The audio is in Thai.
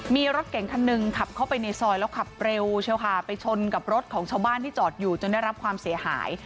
มีรถเก่งคันหนึ่งขับเข้าไปในซอยแล้วขับเร็วเชียวค่ะไปชนกับรถของชาวบ้านที่จอดอยู่จนได้รับความเสียหาย